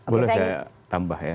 boleh saya tambah ya